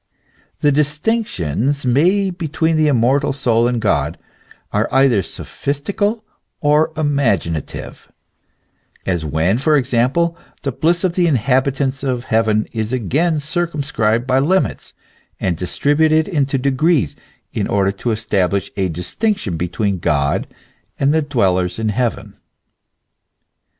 The distinctions made between the immortal soul and God are either sophistical or imaginative ; as when, for example, the bliss of the inhabitants of heaven is again circum scribed by limits, and distributed into degrees, in order to establish a distinction between God and the dwellers in heaven.